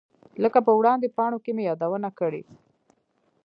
لکه په وړاندې پاڼو کې مې یادونه کړې.